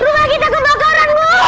rumah kita kebakaran buuuh